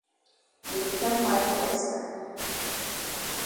Dey di kam maret Esther.